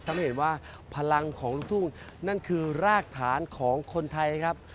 ทำให้เห็นว่าพลังของลูกทุ่งนั่นคือรากฐานของคนไทยครับ